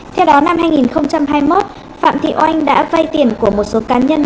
theo đó năm hai nghìn hai mươi một phạm thị oanh đã vay tiền của một số cá nhân